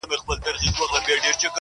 پرېږده په نغمو کي د بېړۍ د ډوبېدو کیسه-